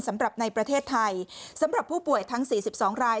สำหรับในประเทศไทยสำหรับผู้ป่วยทั้ง๔๒ราย